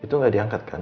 itu gak diangkat kan